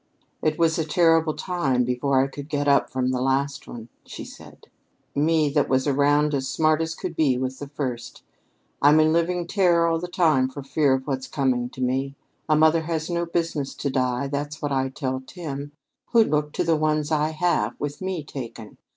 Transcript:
"It was a terrible time before I could get up from the last one," she said, "me that was around as smart as could be with the first. I'm in living terror all the time for fear of what's coming to me. A mother has no business to die, that's what I tell Tim. Who'd look to the ones I have, with me taken?